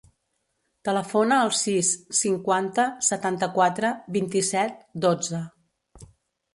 Telefona al sis, cinquanta, setanta-quatre, vint-i-set, dotze.